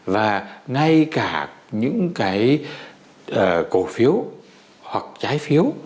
là ngay cả những cái cổ phiếu hoặc trái phiếu